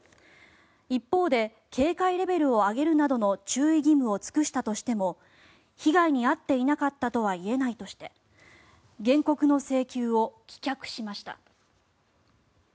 一方で警戒レベルを上げるなどの注意義務を尽くしたとしても被害に遭っていなかったとはいえないとして原告の請求を棄却しました。